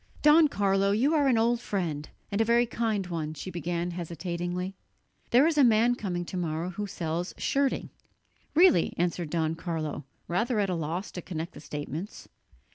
"Don Carlo, you are an old friend, and a very kind one," she began hesitatingly; "there is a man coming to morrow who sells shirting." "Really?" answered Don Carlo, rather at a loss to connect the statements.